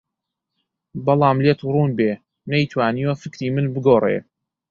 بەڵام لێت ڕوون بێ نەیتوانیوە فکری من بگۆڕێ